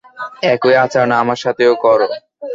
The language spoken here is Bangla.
একই আচরণ আমার সাথেও করো?